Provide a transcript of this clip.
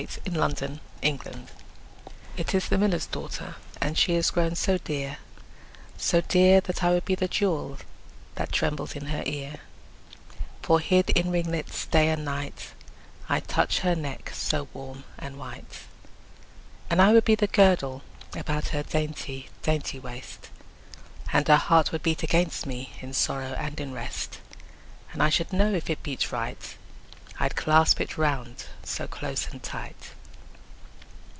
The Miller's Daughter IT is the miller's daughter, And she is grown so dear, so dear, That I would be the jewel That trembles in her ear: For hid in ringlets day and night, 5 I'd touch her neck so warm and white. And I would be the girdle About her dainty dainty waist, And her heart would beat against me, In sorrow and in rest: 10 And I should know if it beat right, I'd clasp it round so close and tight.